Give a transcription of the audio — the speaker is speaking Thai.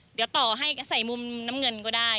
เดี๋ยวต่อให้ใส่มุมน้ำเงินก็ได้